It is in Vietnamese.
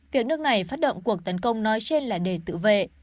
việc nước này phát động cuộc tấn công nói trên là đề tự vệ